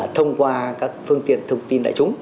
thông qua các phương tiện thông tin đại chúng